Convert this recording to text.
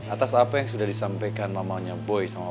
atas apa yang sudah disampaikan mamanya boy sama